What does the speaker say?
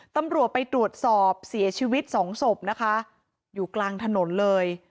ตำรวจไปตรวจสอบเสียชีวิตสองศพนะคะอยู่กลางถนนเลย